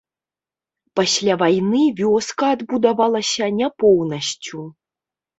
Пасля вайны вёска адбудавалася не поўнасцю.